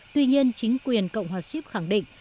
tuy nhiên chính quyền cộng hòa ship khẳng định